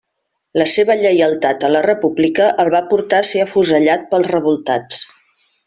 La seva lleialtat a la República el va portar a ser afusellat pels revoltats.